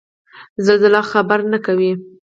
زلزله خبر نه کوي